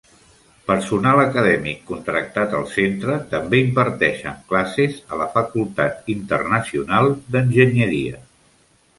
Personal acadèmic contractat al centre també imparteixen classes a la Facultat Internacional d'Enginyeria.